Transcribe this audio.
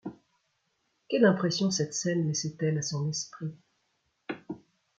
Quelle impression cette scène laissait-elle à son esprit ?